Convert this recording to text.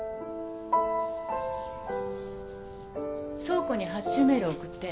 倉庫に発注メール送って。